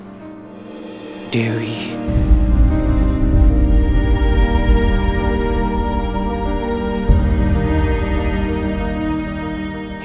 ternyata marsh pengantin